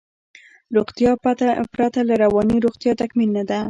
روغتیا پرته له روانی روغتیا تکمیل نده